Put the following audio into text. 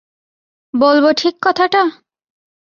বলব ঠিক কথাটা?